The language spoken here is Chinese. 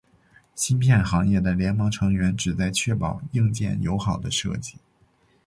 芯片行业的联盟成员旨在确保硬件友好的设计。